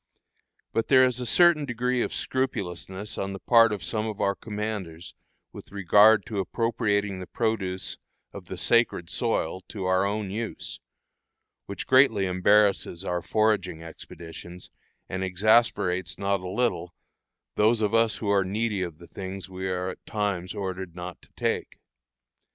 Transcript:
But there is a certain degree of scrupulousness on the part of some of our commanders with regard to appropriating the produce of the "sacred soil" to our own use, which greatly embarrasses our foraging expeditions, and exasperates not a little those of us who are needy of the things we are at times ordered not to take.